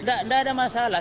tidak ada masalah